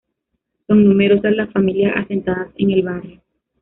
Son numerosas las familias asentadas en el barrio.